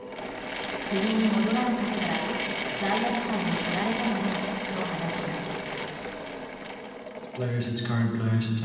国に戻らなかったら罪悪感にかられただろうと話します。